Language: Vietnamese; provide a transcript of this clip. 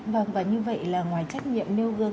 và như vậy là ngoài trách nhiệm nêu gương